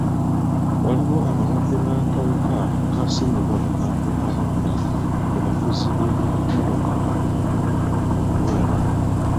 Waliwo abalwadde b'akawuka ka ssennyiga omukambwe abawera mu bavuzi b'ebimmotoka bi lukululana.